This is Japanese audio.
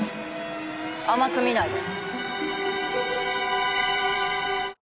甘く見ないで。